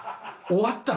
終わった？